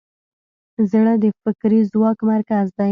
زړه د فکري ځواک مرکز دی.